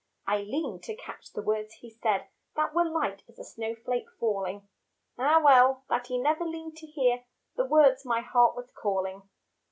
I leaned to catch the words he said That were light as a snowflake falling; Ah well that he never leaned to hear The words my heart was calling.